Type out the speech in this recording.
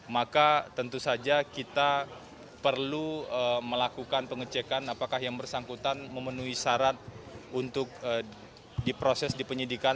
maka tentu saja kita perlu melakukan pengecekan apakah yang bersangkutan memenuhi syarat untuk diproses di penyidikan